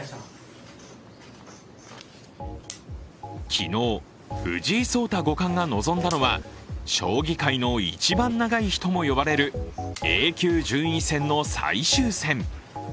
昨日、藤井聡太五冠が臨んだのは将棋界の一番長い日とも呼ばれるＡ級順位戦の最終戦。